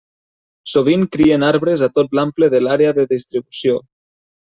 Sovint crien sobre arbres a tot l'ample de l'àrea de distribució.